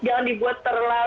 jangan dibuat terlalu rusak